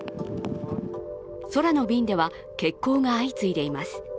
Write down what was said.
空の便では欠航が相次いでいます。